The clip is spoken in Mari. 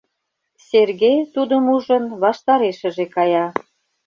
Серге, тудым ужын, ваштарешыже кая.